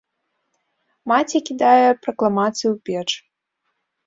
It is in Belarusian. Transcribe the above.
Маці кідае пракламацыі ў печ.